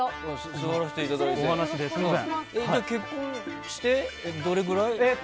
結婚してどれくらい？